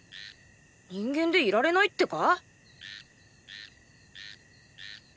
人間でいられないってか？